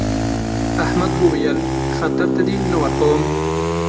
احمد وويل: خطر ته دې نه ورکوم.